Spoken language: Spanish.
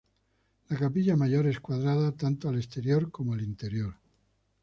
La capilla mayor es cuadrada tanto al exterior como al interior.